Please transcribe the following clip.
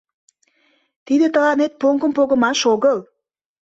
— Тиде тыланет поҥгым погымаш огыл.